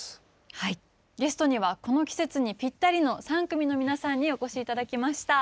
はいゲストにはこの季節にぴったりの３組の皆さんにお越し頂きました。